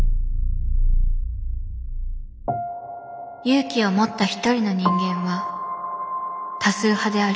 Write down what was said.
勇気を持った一人の人間は多数派である。